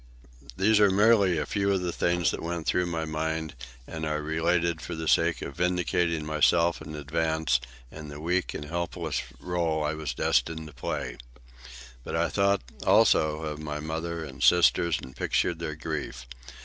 These are merely a few of the things that went through my mind, and are related for the sake of vindicating myself in advance in the weak and helpless rôle I was destined to play. But I thought, also, of my mother and sisters, and pictured their grief.